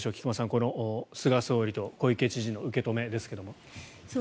この菅総理と小池知事の受け止めですけれども。